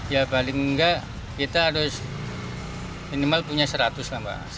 ya paling enggak kita harus minimal punya seratus lah mbak